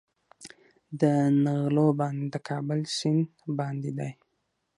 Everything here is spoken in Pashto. د نغلو بند د کابل سیند باندې دی